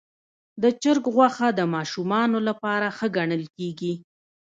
د چرګ غوښه د ماشومانو لپاره ښه ګڼل کېږي.